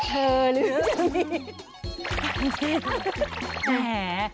เธอหรือ